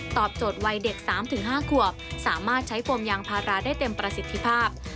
โจทย์วัยเด็ก๓๕ขวบสามารถใช้โฟมยางพาราได้เต็มประสิทธิภาพ